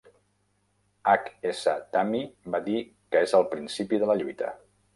H S Dhami va dir que és el principi de la lluita.